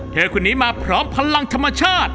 เธอคนนี้มาพร้อมพลังธรรมชาติ